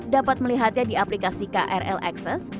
dapat melihatnya di aplikasi krl access